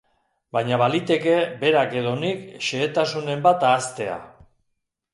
Baina baliteke berak edo nik xehetasunen bat ahaztea.